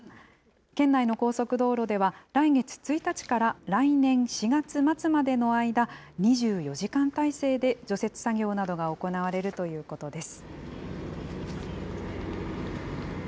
県内の高速道路では、来月１日から来年４月末までの間、２４時間体制で除雪作業などが行われるということです。